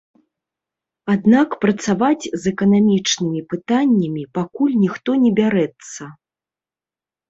Аднак працаваць з эканамічнымі пытаннямі пакуль ніхто не бярэцца.